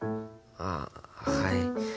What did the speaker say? あっはい。